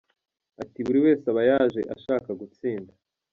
Ati “Buri wese aba yaje ashaka gutsinda.